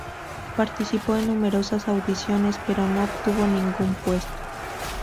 Participó en numerosas audiciones, pero no obtuvo ningún puesto.